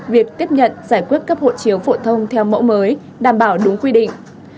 việc tiếp nhận giải quyết cấp hộ chiếu phổ thông theo mẫu mới đảm bảo đúng quy định